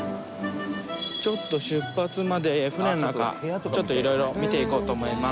ちょっと、出発まで船の中ちょっといろいろ見ていこうと思います。